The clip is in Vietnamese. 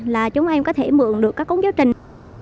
là chúng em có thể mượn được các công giáo trình